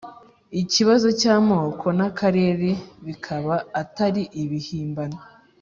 ikibazo cy' amoko n' akarere bikaba atari ibihimbano.